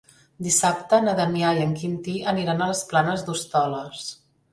Dissabte na Damià i en Quintí aniran a les Planes d'Hostoles.